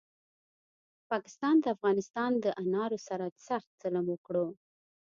پاکستاد د افغانستان دانارو سره سخت ظلم وکړو